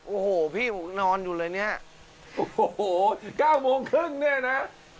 โอ้โหพี่นอนอยู่เลยเนี่ยโอ้โหเก้าโมงครึ่งเนี่ยนะ